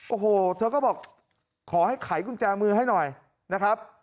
โอ้โหเธอก็บอกขอให้ไขกุญแจมือให้หน่อยนะครับ